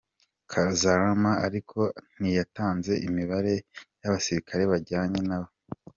Kazalama ariko ntiyatanze imibare y’abasirikare bajyanye nawe.